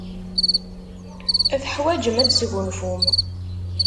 Teḥwajem ad tesgunfum.